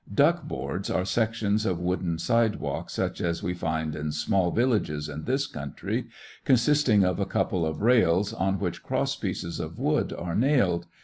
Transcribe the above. Duck boards are sections of wooden sidewalk such as we find in small villages in this country, consisting of a couple of rails on which crosspieces of wood are nailed.